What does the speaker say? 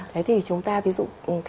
đấy thì chúng ta ví dụ